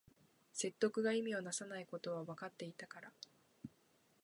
説得が意味をなさないことはわかっていたから